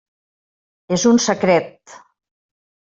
És un secret.